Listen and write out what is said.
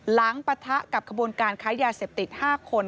ปะทะกับขบวนการค้ายาเสพติด๕คน